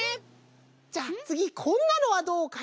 じゃあつぎこんなのはどうかな？